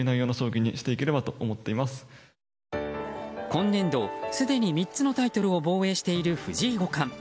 今年度、すでに３つのタイトルを防衛している藤井五冠。